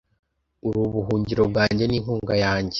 Uri Ubuhungiro bwanjye n’inkunga yanjye